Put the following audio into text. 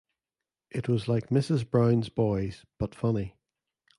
It was like Mrs Brown’s Boys but funny.